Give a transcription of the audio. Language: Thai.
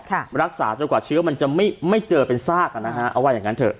รักษาจนกว่าเชื้อมันจะไม่ไม่เจอเป็นซากอ่ะนะฮะเอาว่าอย่างงั้นเถอ